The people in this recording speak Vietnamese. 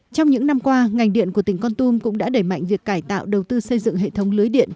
trong những năm qua ngành điện của tỉnh con tum cũng đã đẩy mạnh việc cải tạo đầu tư xây dựng hệ thống lưới điện